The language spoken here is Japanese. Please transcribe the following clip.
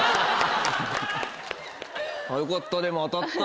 よかったでも当たった。